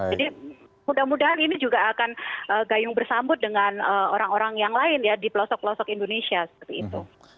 jadi mudah mudahan ini juga akan gayung bersambut dengan orang orang yang lain ya di pelosok pelosok indonesia seperti itu